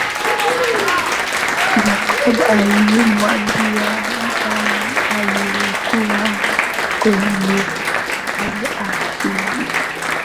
Jacob alimwambia jamaa aliyekuwa kwenye gari atulie